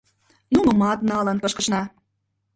Нунымат налын кышкышна.